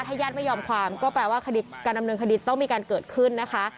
ถ้าญาติไม่ยอมความก็แปลว่าการดำเนินคดีจะต้องมีการเกิดขึ้นนะคะ